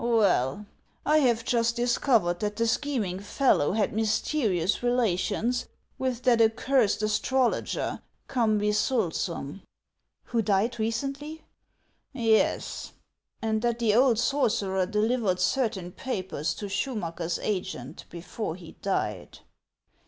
Well, I have just discovered that the scheming fellow HAXS OF ICELAND. 361 had mysterious relations with that accursed astrologer, Cuuibysulsum." " Who died recently ?" "Yes; and that the old sorcerer delivered certain papers to Schuniacker's agent before he died."